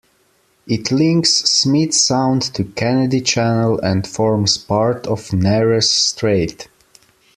It links Smith Sound to Kennedy Channel and forms part of Nares Strait.